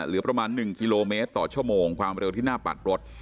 เหลือประมาณ๑กิโลเมตรต่อชั่วโมงความเร็วที่หน้าปัดรถ